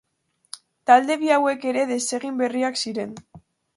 Talde bi hauek ere desegin berriak ziren.